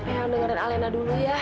ehang dengerin alina dulu ya